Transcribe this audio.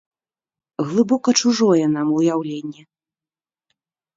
Глыбока чужое нам уяўленне.